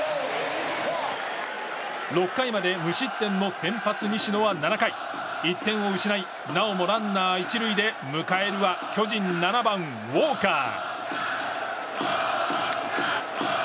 ６回まで無失点の先発、西野は７回１点を失いなおもランナー１塁で迎えるは巨人７番、ウォーカー。